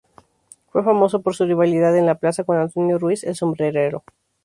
Fue famoso por su rivalidad en la plaza con Antonio Ruiz "El Sombrerero".